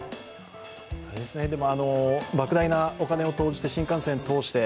ばく大なお金を投じて新幹線を通して。